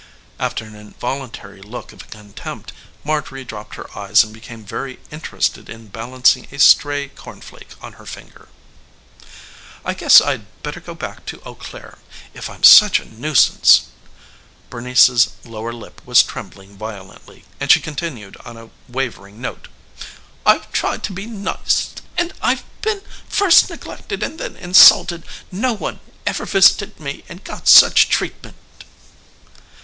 After an involuntary look of contempt Marjorie dropped her eyes and became very interested in balancing a stray corn flake on her finger. "I guess I'd better go back to Eau Claire if I'm such a nuisance." Bernice's lower lip was trembling violently and she continued on a wavering note: "I've tried to be nice, and and I've been first neglected and then insulted. No one ever visited me and got such treatment."